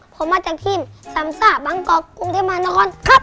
ผมมาจากทีมสำซ่าบางกอกกรุงเทพมหานครครับ